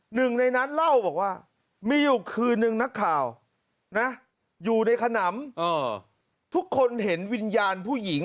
หนึ่งในนั้นเล่าบอกว่ามีอยู่คืนนึงนักข่าวนะอยู่ในขนำทุกคนเห็นวิญญาณผู้หญิง